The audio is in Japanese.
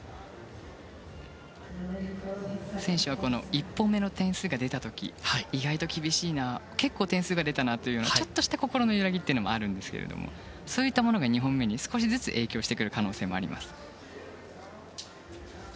選手は１本目の点数が出た時意外と厳しいな結構点数が出たなというちょっとした心の動きが出るんですけどもそれが２本目に少しずつ影響してくる可能性もあります。